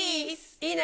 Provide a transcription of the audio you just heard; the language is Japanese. いいね。